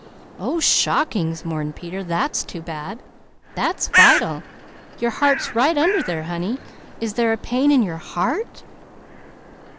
"Oh shockings!" mourned Peter. "That's too bad! That's vital! Your heart's right under there, honey. Is there a pain in your _heart?